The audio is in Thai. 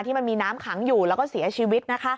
ที่มันมีน้ำขังอยู่แล้วก็เสียชีวิต